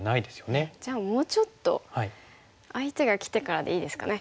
じゃあもうちょっと相手がきてからでいいですかね。